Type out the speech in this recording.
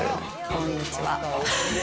こんにちは。